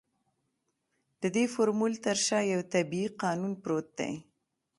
د دې فورمول تر شا يو طبيعي قانون پروت دی.